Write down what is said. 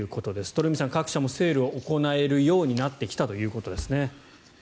鳥海さん、各社もセールを行えるようになってきたということですね。